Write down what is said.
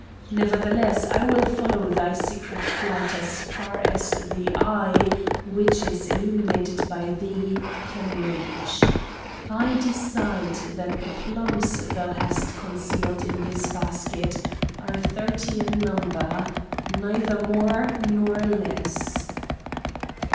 Nevertheless, I will follow thy secret flight as far as the eye, which is illumined by thee, can reach. I decide that the plums thou hast concealed in the basket are thirty in number, neither more nor less."